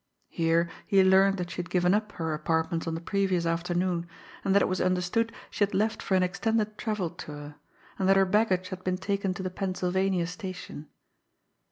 Here, he learned that she had given up her apartments on the previous afternoon, and that it was understood she had left for an extended travel tour, and that her baggage had been taken to the Pennsylvania Station.